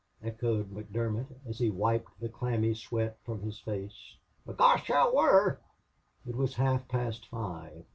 echoed McDermott, as he wiped the clammy sweat from his face. "B'gosh, I wor!" It was half past five.